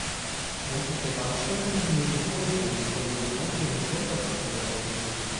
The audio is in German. Nördlich der Bahnstrecke liegen mehrere Tongruben, von denen einige mit Grundwasser vollgelaufen sind.